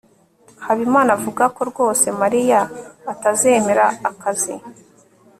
habimana avuga ko rwose mariya atazemera akazi